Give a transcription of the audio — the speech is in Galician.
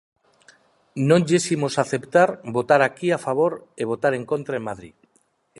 Non lles imos aceptar votar aquí a favor e votar en contra en Madrid.